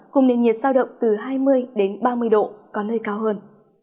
cùng nền nhiệt giao động từ hai mươi đến ba mươi độ có nơi cao hơn